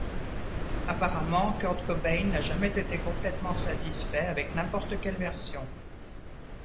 Apparemment, Kurt Cobain n'a jamais été complètement satisfait avec n'importe quelle version.